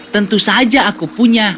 tentu saja aku punya